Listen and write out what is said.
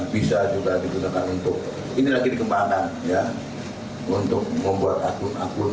bisa juga digunakan untuk ini lagi dikembangkan ya untuk membuat akun akun